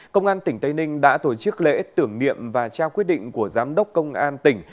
công an tỉnh tây ninh đã tổ chức lễ tưởng niệm và trao quyết định của giám đốc công an tỉnh